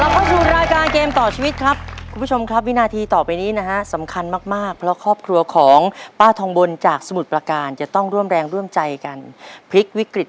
เพื่อปล่อยสมุทรของป้าทองบนจากสมุทรประการจะต้องร่วมแรงร่วมใจกันพลิกวิกฤต